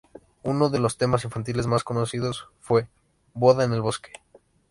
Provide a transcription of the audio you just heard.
Uno de los temas infantiles más conocidos fue "Boda en el bosque".